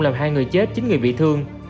làm hai người chết chín người bị thương